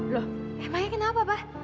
loh emangnya kenapa pa